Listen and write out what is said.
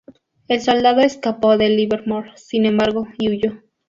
El soldado escapó de Livermore, sin embargo, y huyó.